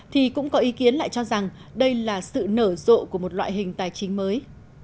thì cũng có ý kiến lại cho rằng đây là sự nở rộ của một loại hình tài chính mới